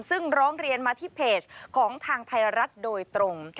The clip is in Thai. ซึ่งร้องเรียนมาที่เพจของทางไทยรัฐโดยตรง